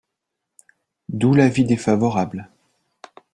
D’où l’avis défavorable.